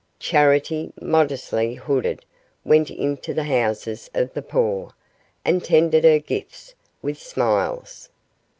Charity, modestly hooded, went into the houses of the poor, and tendered her gifts with smiles.